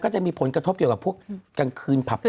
จะมีผลกระทบเกี่ยวกับพวกกลางคืนผับ